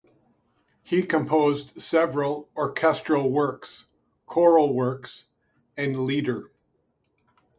He composed several orchestral works, choral works, and lieder.